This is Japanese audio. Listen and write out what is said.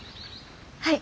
はい。